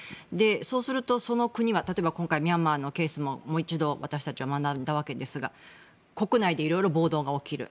そうすると、その国は例えば今回ミャンマーのケースももう一度私たちは学んだわけですが国内でいろいろ暴動が起きる。